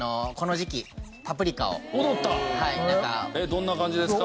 どんな感じですか？